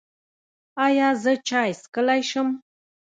ایا زه چای څښلی شم؟